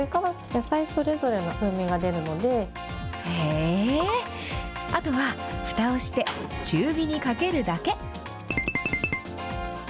へぇー、あとはふたをして、中火にかけるだけ。